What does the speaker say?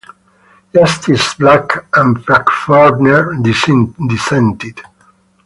Justices Black and Frankfurter dissented.